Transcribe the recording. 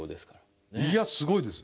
いやすごいです。